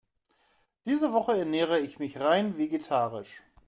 Diese Woche ernähre ich mich rein vegetarisch.